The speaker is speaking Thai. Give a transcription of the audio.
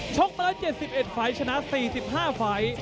ชกตั้ง๗๑ไฟล์ชนะ๔๕ไฟล์